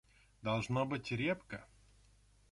Должно быть, репка.